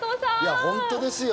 本当ですよ！